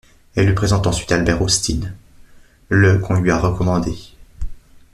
Elle lui présente ensuite Albert Hosteen, le qu'on lui a recommandé.